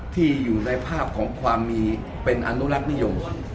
ที่อยู่ในภาพของความมีเป็นอนุรักษ์นิยม